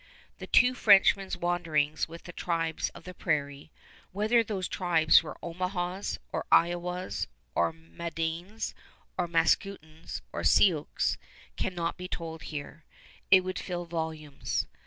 The two Frenchmen's wanderings with the tribes of the prairie whether those tribes were Omahas or Iowas or Mandanes or Mascoutins or Sioux cannot be told here. It would fill volumes.